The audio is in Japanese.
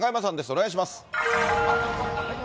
お願いします。